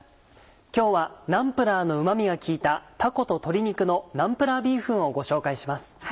今日はナンプラーのうまみが効いた「たこと鶏肉のナンプラービーフン」をご紹介します。